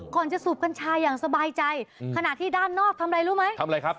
จะสูบกัญชาอย่างสบายใจขณะที่ด้านนอกทำอะไรรู้ไหมทำอะไรครับ